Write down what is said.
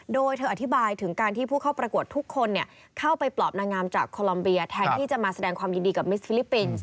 โดยเธออธิบายถึงการที่ผู้เข้าประกวดทุกคนเข้าไปปลอบนางงามจากโคลอมเบียแทนที่จะมาแสดงความยินดีกับมิสฟิลิปปินส์